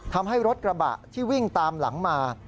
ทำให้รถกระบะที่วิ่งตามหลังมา